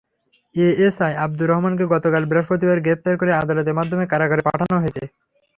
ASI Abdur রহমানকে গতকাল বৃহস্পতিবার গ্রেপ্তার করে আদালতের মাধ্যমে কারাগারে পাঠানো হয়েছে।